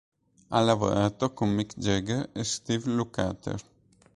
Ha lavorato con Mick Jagger e Steve Lukather.